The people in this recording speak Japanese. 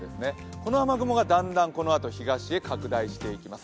この雨雲がだんだんこのあと東へ拡大していきます。